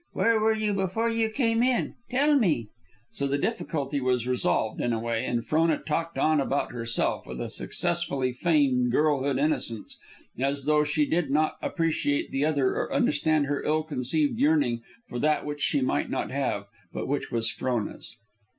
Where were you before you came in? Tell me." So the difficulty was solved, in a way, and Frona talked on about herself, with a successfully feigned girlhood innocence, as though she did not appreciate the other or understand her ill concealed yearning for that which she might not have, but which was Frona's.